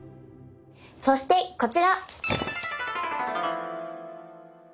そしてこちら。